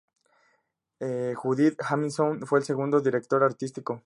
Judith Jamison fue el segundo director artístico.